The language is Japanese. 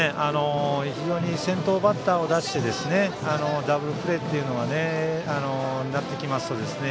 先頭バッターを出してダブルプレーというのになってきますとですね